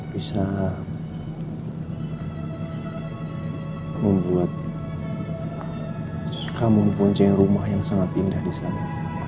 bisa membuat kampung bonceng rumah yang sangat indah di sana